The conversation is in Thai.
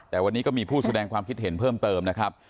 แต่วันนี้ก็มีผู้แสดงความคิดเห็นเพิ่มเติมนะครับ